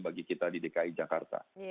bagi kita di dki jakarta